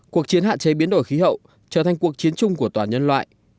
cuộc chiến hạn chế biến đổi khí hậu trở thành cuộc chiến chung của toàn nhân loại